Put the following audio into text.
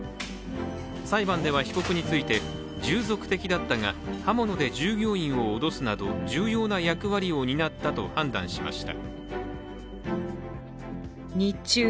裁判では被告について従属的だったが、刃物で従業員を脅すなど重要な役割を担ったと判断しました。